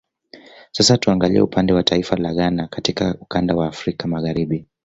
Sasa tuangalie upande wa taifa la Ghana katika ukanda wa Afrika Magharibi